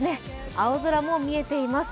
青空も見えています。